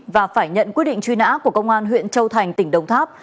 và phải nhận quyết định truy nã của công an huyện châu thành tỉnh đồng tháp